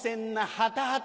ハタハタ。